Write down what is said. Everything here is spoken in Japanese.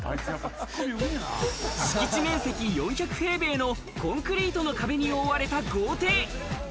敷地面積４００平米のコンクリートの壁に覆われた豪邸。